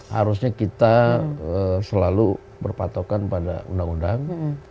harusnya kita selalu berpatokan pada undang undang